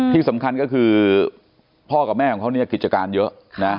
ที่สำคัญก็คือพ่อกับแม่ของเขาเนี่ยกิจการเยอะนะ